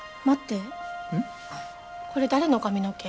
これ誰の髪の毛？